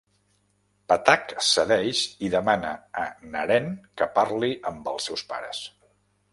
Pathak cedeix i demana a Naren que parli amb els seus pares.